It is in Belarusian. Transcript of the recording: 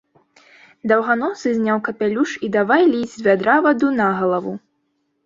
Даўганосы зняў капялюш і давай ліць з вядра ваду на галаву.